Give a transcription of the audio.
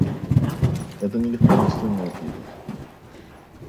Это не легкомысленная прихоть.